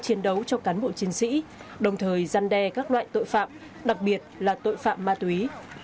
chiến đấu cho cán bộ chiến sĩ đồng thời gian đe các loại tội phạm đặc biệt là tội phạm ma túy